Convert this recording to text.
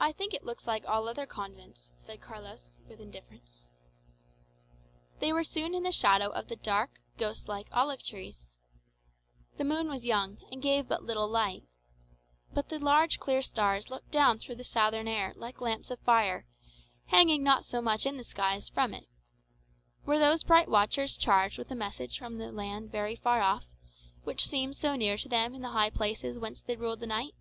"I think it looks like all other convents," returned Carlos, with indifference. They were soon in the shadow of the dark, ghost like olive trees. The moon was young, and gave but little light; but the large clear stars looked down through the southern air like lamps of fire, hanging not so much in the sky as from it. Were those bright watchers charged with a message from the land very far off, which seemed so near to them in the high places whence they ruled the night?